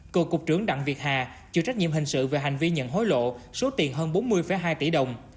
cựu cục trưởng đặng việt hà chịu trách nhiệm hình sự về hành vi nhận hối lộ số tiền hơn bốn mươi hai tỷ đồng